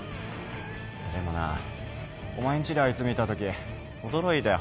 でもなお前んちであいつ見たとき驚いたよ。